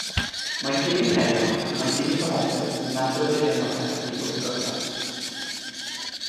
Mae hi'n ei herio ac mae e'n cyfaddef nad oedd ei gemotherapi wedi gorffen.